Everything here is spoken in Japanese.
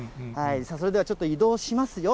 それではちょっと移動しますよ。